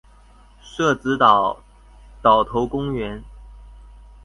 社子島島頭公園